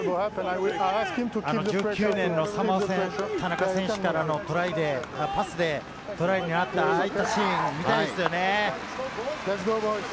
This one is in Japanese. １９年のサモア戦、田中選手からのパスでトライになった、ああいったシーンを見たいですよね。